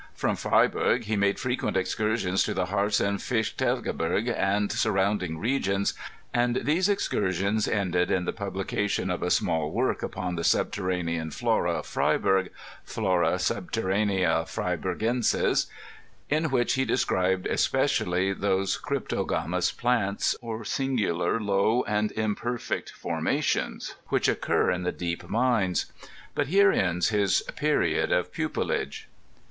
From Frey berg he made freauent excursions to the Hartz and Fitchtelge berg and surrounding regions, and these excursions ended in the publication of a small work upon the Subterranean Flora of Freiberg, (Flora Subterranea Fritergensis), in which he described especially those Cryptogamous plants, or singular low and im perfect formations which occur in the deep mines. But here ends his period of pupilage.